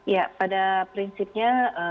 ya pada prinsipnya